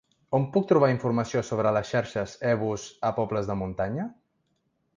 On puc trobar informació sobre les xarxes e bus a pobles de muntanya?